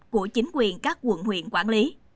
của chính quyền các quận huyện quản lý